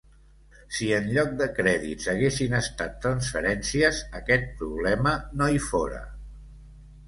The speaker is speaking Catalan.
Si en lloc de crèdits haguessin estat transferències, aquest problema no hi fóra.